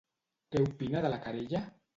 Què opina de la querella?